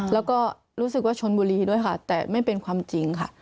แล้วก็รู้สึกว่าชนบุรีด้วยค่ะแต่ไม่เป็นความจริงค่ะ